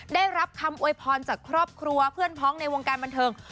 ได้รับคำโวยพรจากครอบครัวเพื่อนพ้องในวงการบันเทิง